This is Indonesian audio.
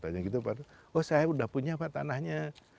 oh saya udah punya pak tanahnya